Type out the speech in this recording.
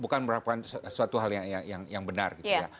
bukan merupakan suatu hal yang benar